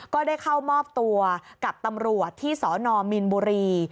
ก็ได้เข้ามอบตัวกับตำรวจที่สนมีนบุรี